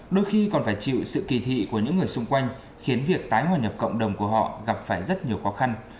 đôi khi còn phải chịu sự kỳ thị của những người xung quanh khiến việc tái hòa nhập cộng đồng của họ gặp phải rất nhiều khó khăn